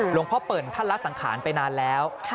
หลวงพ่อเปิ่ลท่านรัฐสังขารไปนานแล้ว